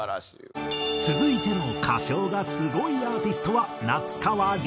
続いての歌唱がスゴいアーティストは。